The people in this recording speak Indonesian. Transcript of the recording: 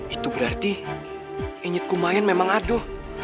itu berarti inekumayang memang ada